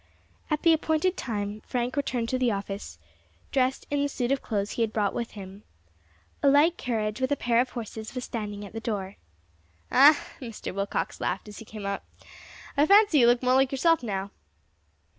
At the appointed time Frank returned to the office, dressed in the suit of clothes he had brought with him. A light carriage with a pair of horses was standing at the door. "Ah!" Mr. Willcox laughed, as he came out, "I fancy you look more like yourself now."